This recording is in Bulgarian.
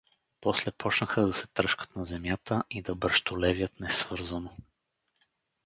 После почнаха да се тръшкат на земята и да бръщолевят несвързано.